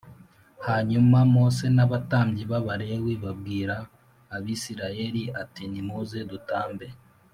hanyuma mose n abatambyi b abalewi babwira abisirayeli ati ni muze dutanbe